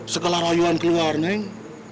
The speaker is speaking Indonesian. segala rayuan keluar neng